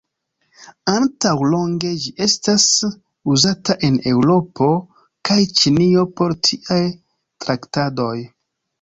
Antaŭ longe ĝi estas uzata en Eŭropo kaj Ĉinio por tiaj traktadoj.